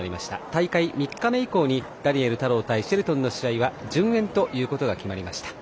大会３日目以降にダニエル太郎対シェルトンの試合は順延ということが決まりました。